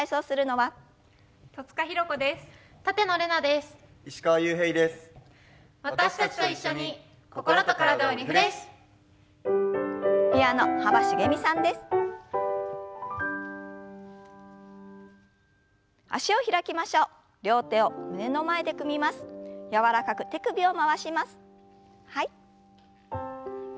はい。